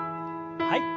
はい。